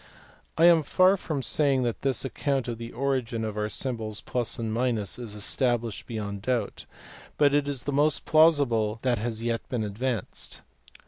I am far from saying that this account of the origin of our symbols for plus and minus is established beyond doubt, but it i^ the most plausible that has been yet advanced.